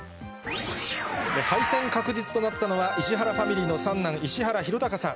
敗戦確実となったのは、石原ファミリーの三男、石原宏高さん。